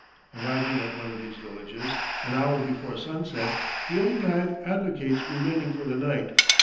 Arriving at one of these villages, an hour before sunset, the old guide advocates remaining for the night.